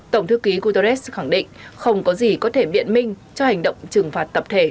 tổng thư ký guterres khẳng định không có gì có thể biện minh cho hành động trừng phạt tập thể